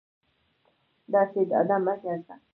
داسې ډاډه مه گرځه